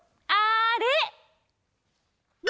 あれ！